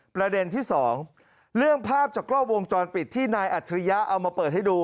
ประเด็นที่สองเรื่องภาพจากกล้องวงจรปิดที่นายอัจฉริยะเอามาเปิดให้ดู